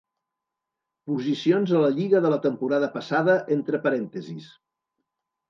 Posicions a la lliga de la temporada passada entre parèntesis.